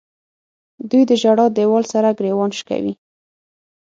دوی د ژړا دیوال سره ګریوان شکوي.